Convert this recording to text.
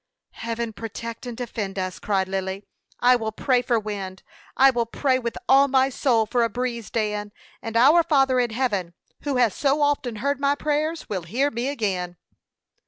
"Heaven protect and defend us!" cried Lily. "I will pray for wind; I will pray with all my soul for a breeze, Dan, and our Father in heaven, who has so often heard my prayers will hear me again."